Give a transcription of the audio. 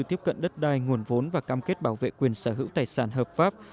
tiếp cận đất đai nguồn vốn và cam kết bảo vệ quyền sở hữu tài sản hợp pháp